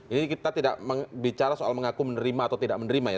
ini kita tidak bicara soal mengaku menerima atau tidak menerima ya